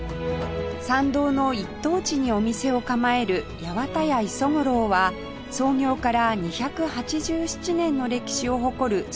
参道の一等地にお店を構える八幡屋礒五郎は創業から２８７年の歴史を誇る老舗の七味専門店